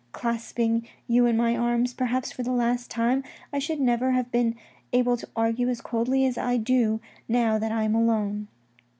Clasping you in my arms perhaps for the last time, I should never have been able to argue as coldly as I do, now that I am alone.